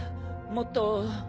もっと。